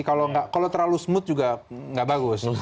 kalau terlalu smooth juga nggak bagus